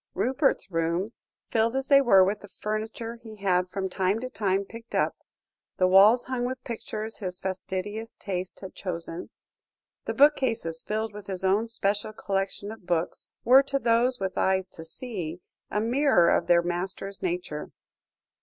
Rupert's rooms, filled as they were with the furniture he had from time to time picked up, the walls hung with pictures his fastidious taste had chosen, the bookcases filled with his own special collection of books, were, to those with eyes to see, a mirror of their master's nature.